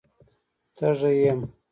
_تږی يم.